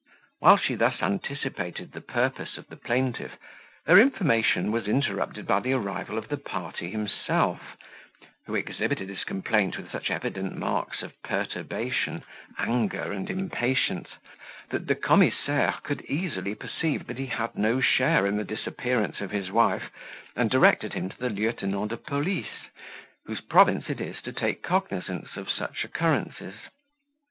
While she thus anticipated the purpose of the plaintiff, her information was interrupted by the arrival of the party himself, who exhibited his complaint with such evident marks of perturbation, anger, and impatience, that the commissaire could easily perceive that he had no share in the disappearance of his wife, and directed him to the lieutenant de police, whose province it is to take cognizance of such occurrences.